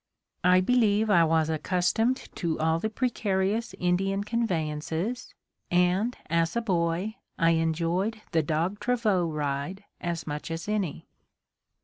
I believe I was accustomed to all the precarious Indian conveyances, and, as a boy, I enjoyed the dog travaux ride as much as any.